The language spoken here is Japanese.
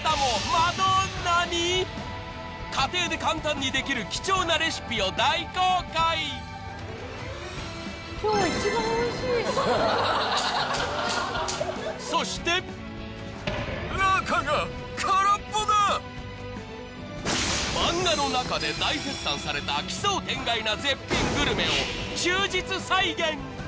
家庭で簡単にできる貴重なレシピを大公開そして漫画の中で大絶賛された奇想天外な絶品グルメを忠実再現！